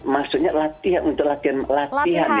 maksudnya latihan untuk latihan latihan